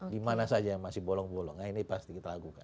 dimana saja masih bolong bolong nah ini pasti kita lakukan